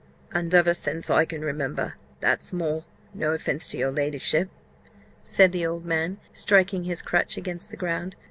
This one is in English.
"And ever since I can remember, that's more; no offence to your ladyship," said the old man, striking his crutch against the ground.